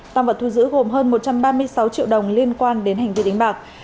tăng vật thu giữ gồm hơn một trăm ba mươi sáu triệu đồng liên quan đến hành vi đánh bạc